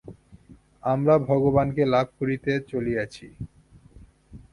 আমরা ভগবানকে লাভ করিতে চলিয়াছি।